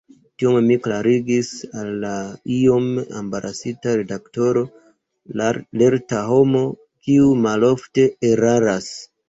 Tion mi klarigis al la iom embarasita redaktoro, lerta homo, kiu malofte eraras.